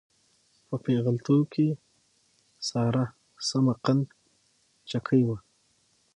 په پېغلتوب کې ساره سمه قند چکۍ وه.